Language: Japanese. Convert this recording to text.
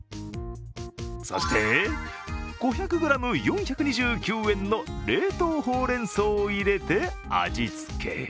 そして５００ｇ４２９円の冷凍ほうれんそうを入れて味付け。